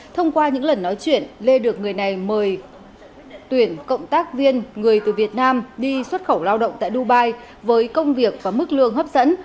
thông qua những lần nói chuyện lê được người này mời tuyển cộng tác viên người từ việt nam đi xuất khẩu lao động tại dubai với công việc và mức lương hấp dẫn